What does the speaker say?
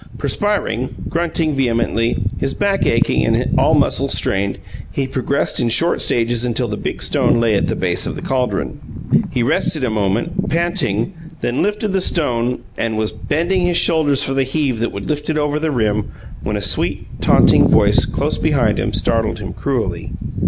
Perspiring, grunting vehemently, his back aching and all muscles strained, he progressed in short stages until the big stone lay at the base of the caldron. He rested a moment, panting, then lifted the stone, and was bending his shoulders for the heave that would lift it over the rim, when a sweet, taunting voice, close behind him, startled him cruelly.